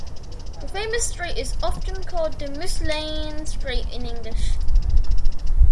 The famous straight is often called the Mulsanne Straight in English.